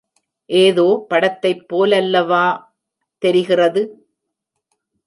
ஏதோ படத்தைப் போலல்லவா..... தெரிகிறது.